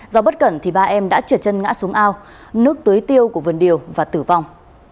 do bất cẩn thì ba em đã trượt chân ngã xuống ao nước tưới tiêu của vườn điều và tử vong